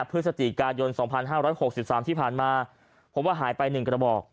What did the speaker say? พฤศจิกายน๒๕๖๓ที่ผ่านมาพบว่าหายไป๑กระบอก